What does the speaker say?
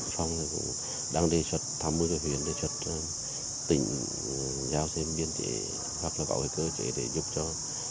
xong rồi cũng đang đề xuất thăm mưu cho huyện đề xuất tỉnh giao thêm biên chế hoặc là gọi cơ chế để giúp cho